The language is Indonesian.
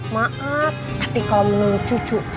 maaf tapi kalau menurut cucu